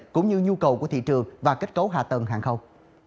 cũng như nhu cầu của thị trường và kết cấu hạ tầng hàng không